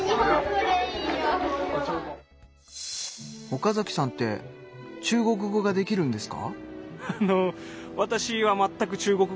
岡さんって中国語ができるんですか？